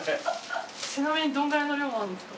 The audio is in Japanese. ちなみにどのくらいの量なんですか？